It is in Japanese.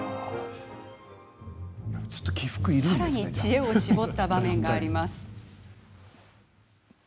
さらに、知恵を絞った場面があります。